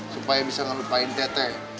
supaya bisa ngelupain tete